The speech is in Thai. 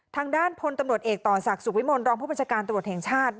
ทางด้านพลตำรวจเอกต่อศักดิ์สุขวิมลรองผู้บัญชาการตำรวจแห่งชาติ